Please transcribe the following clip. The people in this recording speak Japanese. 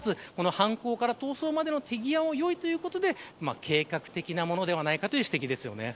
かつ、犯行から逃走までの手際がいいということで計画的なものではないかという指摘です。